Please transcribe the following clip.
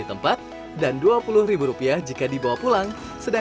tepuk jam berbeda